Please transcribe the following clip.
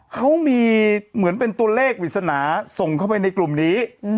เขามีเหมือนเป็นตัวเลขปริศนาส่งเข้าไปในกลุ่มนี้